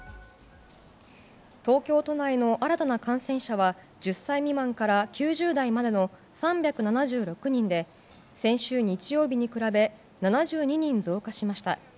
東京都内の新たな感染者は１０歳未満から９０代までの３７６人で先週日曜日に比べ７２人増加しました。